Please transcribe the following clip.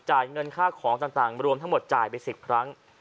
เงินค่าของต่างรวมทั้งหมดจ่ายไป๑๐ครั้ง